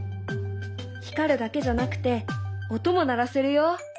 光るだけじゃなくて音も鳴らせるよ。